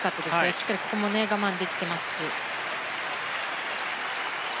しっかりここも我慢できてますし。